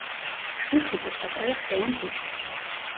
თუთუბო პატარა ხე ან ბუჩქია.